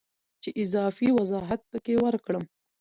چې اضافي وضاحت پکې ورکړم